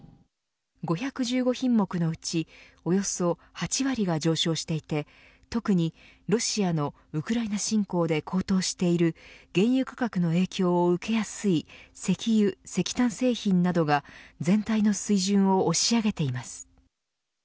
５１５品目のうちおよそ８割が上昇していて特に、ロシアのウクライナ侵攻で高騰している原油価格の影響を受けやすい石油・石炭製品などが全体の水準を押し上げています。